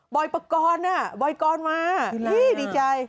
อยปกรณ์บอยกรมาพี่ดีใจ